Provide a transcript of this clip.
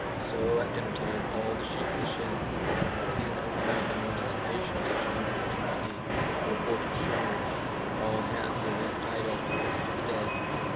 So at dinner time all the sheep in the sheds, put in overnight in anticipation of such a contingency, are reported shorn. All hands are then idle for the rest of the day.